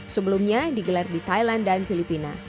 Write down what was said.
sebelumnya digelar di thailand dan filipina